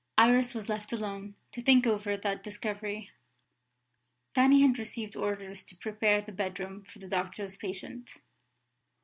Iris was left alone, to think over that discovery. Fanny had received orders to prepare the bedroom for the doctor's patient.